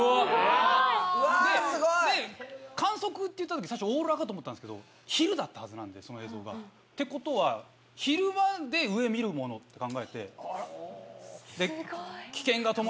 すごい！観測っていった時オーロラかと思ったんですけど昼だったはずなんでその映像が。ってことは昼間で上見るもので危険が伴う。